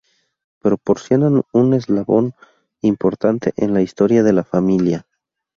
Proporcionan un eslabón importante en la historia de la familia.